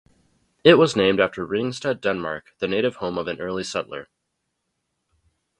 It was named after Ringsted, Denmark, the native home of an early settler.